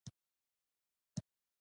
زما کفن باید افغان ملي بیرغ وي